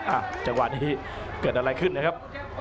อ่ะจังหวัดที่เกิดอะไรขึ้นนะครับ